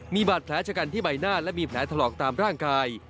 มีบาดแผลชะกันที่ใบหน้าและมีแผลถลอกตามร่างกาย